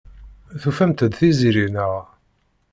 Tufamt-d Tiziri, naɣ?